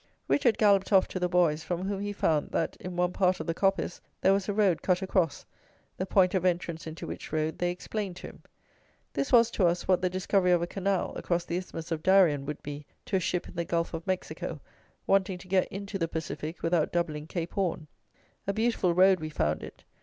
Richard galloped off to the boys, from whom he found that in one part of the coppice there was a road cut across, the point of entrance into which road they explained to him. This was to us what the discovery of a canal across the isthmus of Darien would be to a ship in the Gulf of Mexico wanting to get into the Pacific without doubling Cape Horne. A beautiful road we found it.